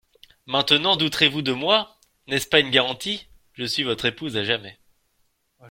Maintenant douterez-vous de moi ? N'est-ce pas une garantie ? Je suis votre épouse à jamais.